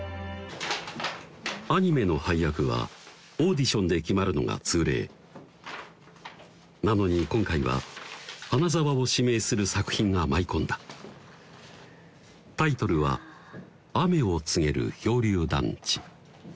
アニメの配役はオーディションで決まるのが通例なのに今回は花澤を指名する作品が舞い込んだタイトルは「雨を告げる漂流団地」